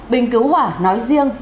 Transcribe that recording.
bình cứu hỏa nói riêng